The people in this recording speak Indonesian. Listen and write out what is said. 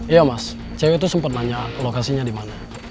iya mas cewek tuh sempet nanya lokasinya dimana